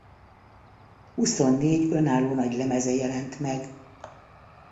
Huszonnégy önálló nagylemeze jelent meg.